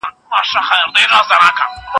زه مخکي قلم استعمالوم کړی و.